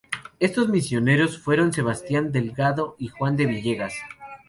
Estos misioneros fueron Sebastián Delgado y Juan de Villegas.